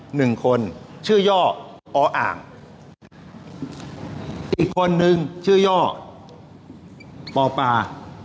หนึ่งคนชื่อย่ออ่างอีกคนนึงชื่อย่อปอปา